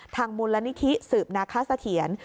มูลนิธิสืบนาคสะเทียน